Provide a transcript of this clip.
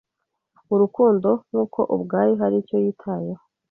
Urukundo nkuko ubwayo hari icyo yitayeho